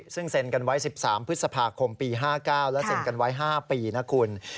ซึ่งเซ็นกันไว้๑๓พฤษภาคมปี๕๙และเซ็นกันไว้๕ปีนะคุณ